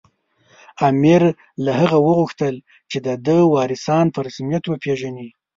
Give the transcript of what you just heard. امیر له هغه وغوښتل چې د ده وارثان په رسمیت وپېژني.